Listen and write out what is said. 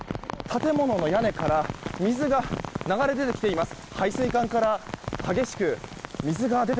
建物の屋根から水が流れ出てきています。